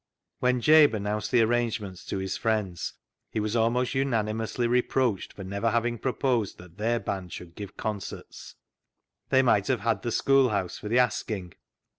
When Jabe announced the arrangements to his friends he was almost unanimously re proached for never having proposed that their band should give concerts. They might have had the schoolhouse for the asking.